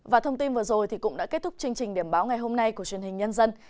và thông tin vừa rồi cũng đã kết thúc chương trình điểm báo ngày hôm nay của truyền hình nhân dân